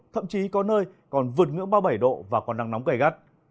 thậm chí có nơi còn vượt ngưỡng ba mươi bảy độ và còn nắng nóng gầy gắt